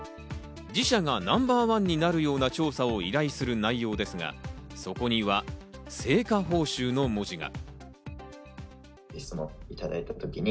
自社がナンバーワンになるような調査を依頼する内容ですが、そこには成果報酬の文字が。